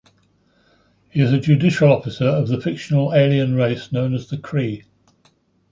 He is a judicial officer of the fictional alien race known as the Kree.